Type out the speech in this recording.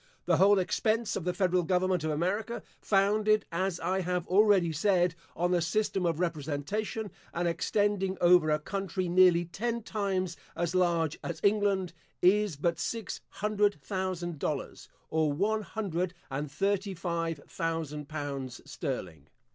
The whole expense of the federal government of America, founded, as I have already said, on the system of representation, and extending over a country nearly ten times as large as England, is but six hundred thousand dollars, or one hundred and thirty five thousand pounds sterling.